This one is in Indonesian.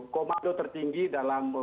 komando tertinggi dalam